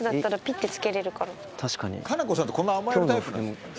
佳菜子さんってこんな甘えるタイプなんですね。